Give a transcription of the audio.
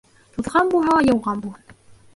Туҙған булһа ла йыуған булһын.